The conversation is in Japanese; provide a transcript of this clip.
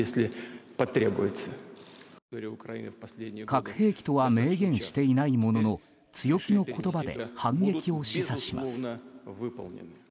核兵器とは明言していないものの強気の言葉で反撃を示唆します。